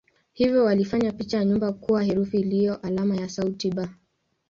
Hivyo walifanya picha ya nyumba kuwa herufi iliyo alama ya sauti "b".